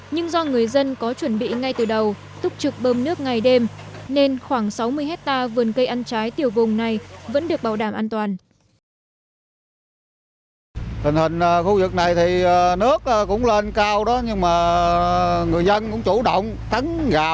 nhưng do người dân có chuẩn bị ngay từ đầu túc trực bơm nước ngày đêm nên khoảng sáu mươi hectare vườn cây ăn trái tiểu vùng này vẫn được bảo đảm an toàn